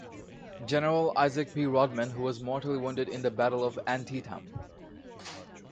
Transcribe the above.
General Isaac P. Rodman, who was mortally wounded at the Battle of Antietam.